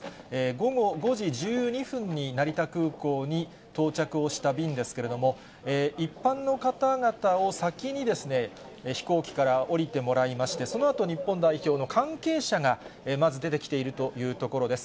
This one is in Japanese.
午後５時１２分に成田空港に到着をした便ですけれども、一般の方々を先に飛行機から降りてもらいまして、そのあと、日本代表の関係者がまず出てきているというところです。